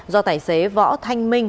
do tài xế võ thanh minh